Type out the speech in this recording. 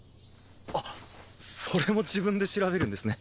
あっそれも自分で調べるんですね